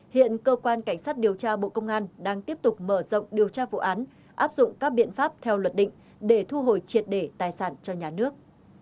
hiện cơ quan cảnh sát điều tra bộ công an đang tiếp tục mở rộng điều tra vụ án áp dụng các biện pháp theo luật định để thu hồi triệt để tài sản cho nhà nước